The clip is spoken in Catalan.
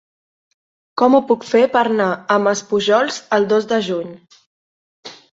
Com ho puc fer per anar a Maspujols el dos de juny?